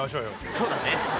そうだね。